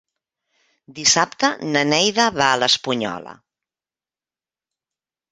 Dissabte na Neida va a l'Espunyola.